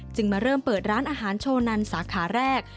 มาเริ่มเปิดร้านอาหารโชนันสาขาแรก